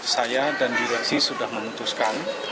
saya dan direksi sudah memutuskan